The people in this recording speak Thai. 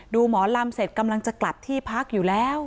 หมอลำเสร็จกำลังจะกลับที่พักอยู่แล้ว